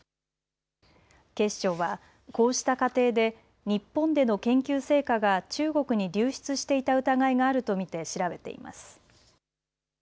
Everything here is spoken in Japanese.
警視庁はこうした過程で日本での研究成果が中国に流出していた疑いがあると見て調べています。